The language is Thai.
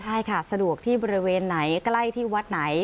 ใช่ค่ะสะดวกที่บริเวณไหนใกล้ที่วัดไหน